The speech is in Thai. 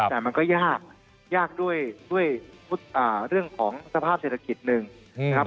แต่มันก็ยากยากด้วยเรื่องของสภาพเศรษฐกิจหนึ่งนะครับ